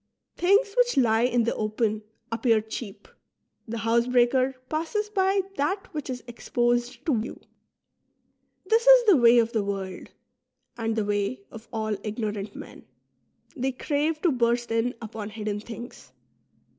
Things which lie in the open appear cheap ; the house breaker passes by that which is exposed to view. This is the way of the world, and the way of all ignorant men : they crave to burst in upon hidden things.